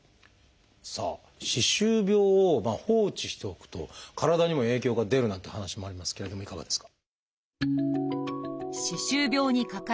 さあ歯周病を放置しておくと体にも影響が出るなんて話もありますけれどもいかがですか？